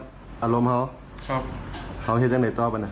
พร้อมให้จังเลยต่อไปหน่อย